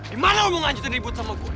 di mana lo mau ngajetin ribut sama gue